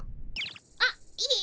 あっいえ